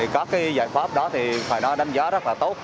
các giải pháp đó phải đánh giá rất là tốt